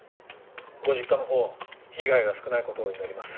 ご実家の方被害が少ないことを祈ります。